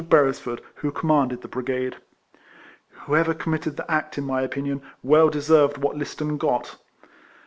149 Beresford who commanded the brigade. Whoever committed the act, in my opinion, well deserved what Liston got.